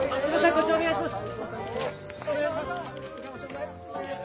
こっちお願いします！